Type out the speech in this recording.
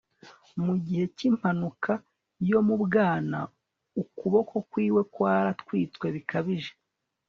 mugihe c'impanuka yo mu bwana ukuboko kwiwe kwaratwitswe bikabije